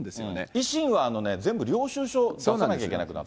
維新はあのね、全部領収書出さなきゃいけなくなって。